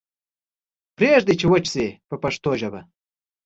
پریږدئ چې وچ شي په پښتو ژبه.